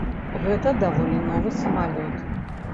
Гэта даволі новы самалёт.